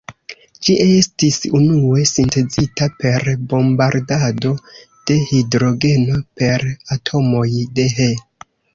Ĝi estis unue sintezita per bombardado de hidrogeno per atomoj de He.